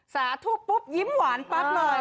สาธุปุ๊บยิ้มหวานปั๊บเลย